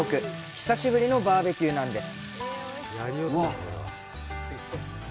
久しぶりのバーベキューなんです！